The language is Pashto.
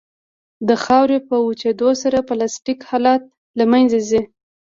د خاورې په وچېدو سره پلاستیک حالت له منځه ځي